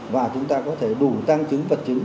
và chúng ta có thể đủ tăng chứng vật chứng